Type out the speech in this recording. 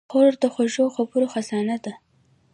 خور د خوږو خبرو خزانه ده.